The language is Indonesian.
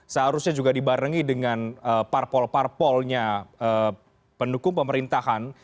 seharusnya juga dibarengi dengan parpol parpolnya pendukung pemerintahan